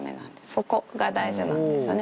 そこが大事なんですよね。